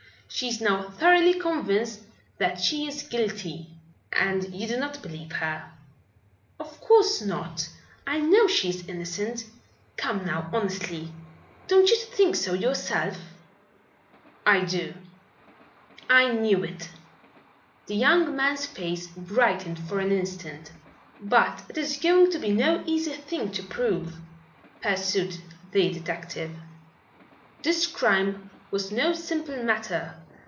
She is now thoroughly convinced that she is guilty." "And you do not believe her?" "Of course not. I know she is innocent. Come now, honestly, don't you think so yourself?" "I do." "I knew it!" The young man's face brightened for an instant. "But it is going to be no easy thing to prove," pursued the detective. "This crime was no simple matter.